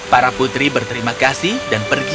mereka mendatangnya dengan kegembirian mereka